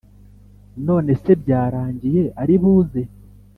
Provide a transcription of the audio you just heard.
nonese byarangiye ari buze